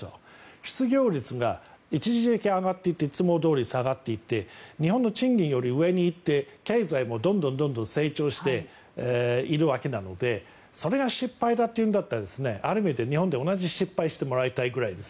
失業率が一時期上がっていっていつもどおり下がっていって日本の賃金より上に行って経済もどんどん成長しているわけなのでそれが失敗だというんだったらある意味で日本で同じ失敗をしてもらいたいぐらいです。